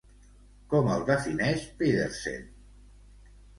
Com el defineix Pedersen?